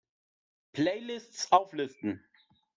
Playlists auflisten!